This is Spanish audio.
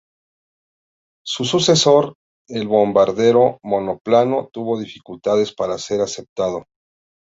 Su sucesor, el bombardero monoplano, tuvo dificultades para ser aceptado.